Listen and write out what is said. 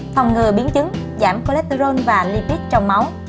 phòng ngừa biến chứng giảm cholesterol và lipid trong máu